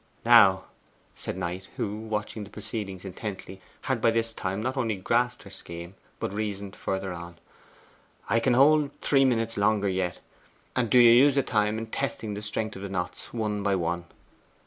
'Now,' said Knight, who, watching the proceedings intently, had by this time not only grasped her scheme, but reasoned further on, 'I can hold three minutes longer yet. And do you use the time in testing the strength of the knots, one by one.